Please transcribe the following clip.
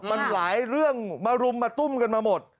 มันหลายเรื่องมารุมมาตุ้มกันมาหมด